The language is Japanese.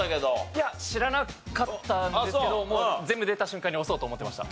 いや知らなかったんですけどもう全部出た瞬間に押そうと思ってました。